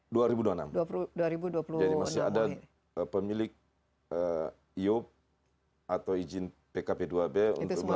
jadi masih ada pemilik iup atau izin pkp dua b untuk melakukan